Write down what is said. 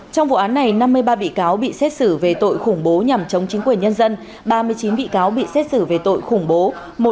trong vụ án này năm mươi ba bị cáo bị xét xử về tội khủng bố nhằm chống chính quyền nhân dân ba mươi chín bị cáo bị xét xử về tội khủng bố